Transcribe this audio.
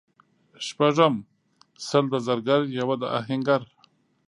شپږم:سل د زرګر یوه د اهنګر